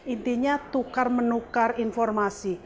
intinya tukar menukar informasi